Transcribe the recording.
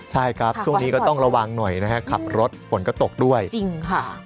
ใช่ครับช่วงนี้ก็ต้องระวังหน่อยนะฮะขับรถฝนก็ตกด้วยจริงค่ะ